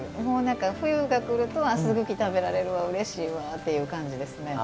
冬が来ると、すぐき食べられるわうれしいわという感じですね。